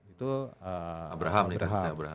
itu abraham nih kasusnya abraham